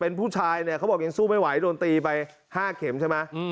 เป็นผู้ชายเนี่ยเขาบอกยังสู้ไม่ไหวโดนตีไป๕เข็มใช่ไหม